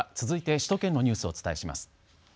続いて首都圏のニュースをお伝えします。